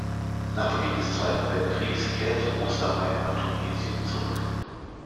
Nach Beginn des Zweiten Weltkriegs kehrte Ostermeyer nach Tunesien zurück.